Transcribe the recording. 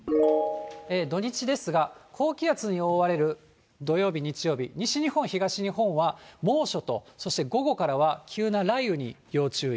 土日ですが、高気圧に覆われる土曜日、日曜日、西日本、東日本は猛暑と、そして午後からは急な雷雨に要注意。